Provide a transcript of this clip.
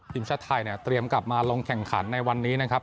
ทีมชาติไทยเนี่ยเตรียมกลับมาลงแข่งขันในวันนี้นะครับ